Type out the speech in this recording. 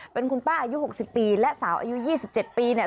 เป็นคุณป้าอายุ๖๐ปีและสาวอายุ๒๗ปีเนี่ย